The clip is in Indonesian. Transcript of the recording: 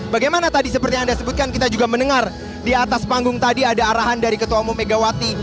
bagaimana tadi seperti yang anda sebutkan kita juga mendengar di atas panggung tadi ada arahan dari ketua umum megawati